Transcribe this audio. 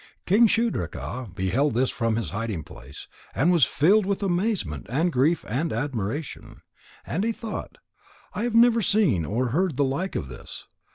King Shudraka beheld this from his hiding place, and was filled with amazement and grief and admiration. And he thought: "I have never seen or heard the like of this.